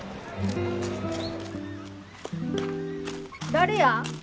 誰や？